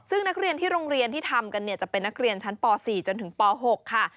ซึ่งนักเรียนที่โรงเรียนที่ทำกันจะเป็นนักเรียนชั้นป๔จนถึงป๖ค่ะ